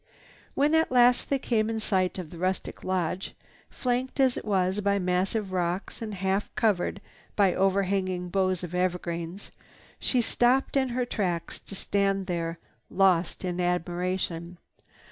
When at last they came in sight of the rustic lodge, flanked as it was by massive rocks and half covered by overhanging boughs of evergreens, she stopped in her tracks to stand there lost in admiration.